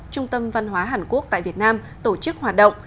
trung tâm văn hóa hàn quốc tại việt nam tổ chức hoạt động